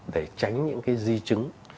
để tránh những cái di chứng